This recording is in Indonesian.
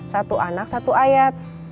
satu anak satu ayat